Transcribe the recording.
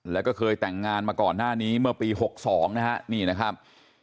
แล้วก็เคยแต่งงานมาก่อนหน้านี้เมื่อปี๖๒นะฮะนี่นะครับ